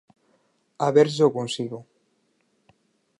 A ver se o consigo...